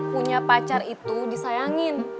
punya pacar itu disayangin